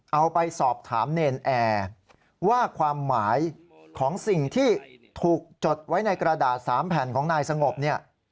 เอาไปสอบถามเนรนแอร์ว่าความหมายของสิ่งที่ถูกจดไว้ในกระดาษ๓แผ่นของนายสงบเนี่ย